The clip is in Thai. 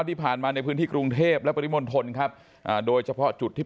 ที่ผ่านมาในพื้นที่กรุงเทพและปริมณฑลครับอ่าโดยเฉพาะจุดที่